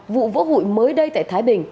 vụ vỡ hủy mới đây tại thái bình